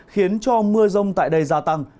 khiến cho mưa rông tại đây gia tăng